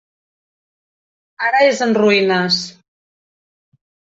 Ara és en ruïnes.